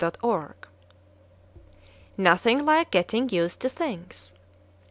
NOTHING LIKE GETTING USED TO THINGS!